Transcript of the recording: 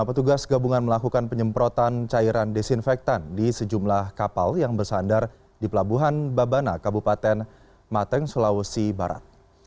petugas gabungan melakukan penyemprotan cairan desinfektan di sejumlah kapal yang bersandar di pelabuhan babana kabupaten mateng sulawesi barat